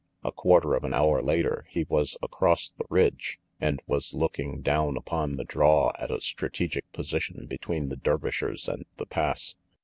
A quarter of an hour later he was across the ridge, and was looking 328 RANGY PETE down upon the draw at a strategic position between the Dervishers and the Pass.